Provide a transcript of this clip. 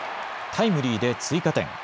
タイムリーで追加点。